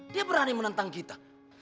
dia berani menentang kita